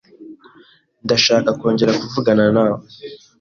Ndashaka kongera kuvugana nawe.